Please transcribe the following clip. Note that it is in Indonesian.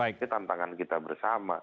itu tantangan kita bersama